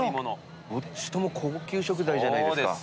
どっちとも高級食材じゃないですか。